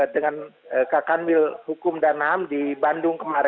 dengan kakan wil hukum dan nam di bandung kemarin